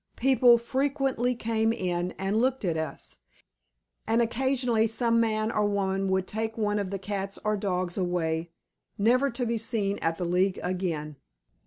People frequently came in and looked at us, and occasionally some man or woman would take one of the cats or dogs away, never to be seen at the League again.